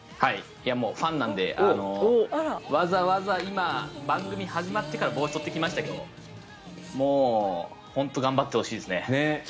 ファンなのでわざわざ今、番組始まってから帽子取ってきましたけど頑張ってほしいですね。